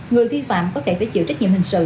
người vi phạm có thể phải chịu trách nhiệm hình sự